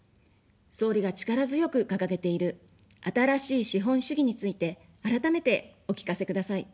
総理が力強く掲げている「新しい資本主義」について、改めてお聞かせください。